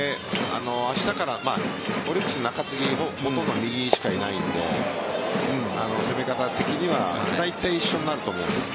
明日からオリックス中継ぎほとんど右しかいないので攻め方的にはだいたい一緒になると思うんです。